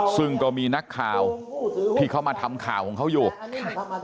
ซึ่งก็มีนักข่าวที่เขามาทำข่าวของเขาอยู่ค่ะ